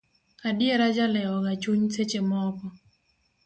Adiera jalewo ga chuny seche moko.